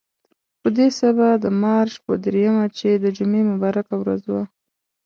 په دې سبا د مارچ په درېیمه چې د جمعې مبارکه ورځ وه.